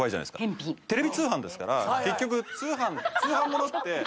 テレビ通販ですから結局通販物って。